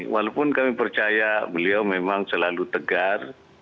walaupun kami percaya beliau memang selalu tegar